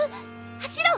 走ろう！